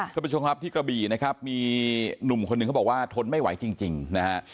คุณผู้ชมครับที่กระบี่นะครับมีหนุ่มคนหนึ่งเขาบอกว่าทนไม่ไหวจริงนะฮะ